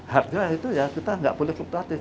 harga itu ya kita nggak boleh fluktuatif